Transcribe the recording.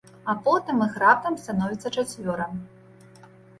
А потым іх раптам становіцца чацвёра.